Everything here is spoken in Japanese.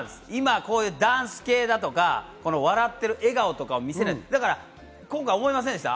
今、ダンス系だとか、笑っている、笑顔とかを見せないと、今回思いませんでしたか？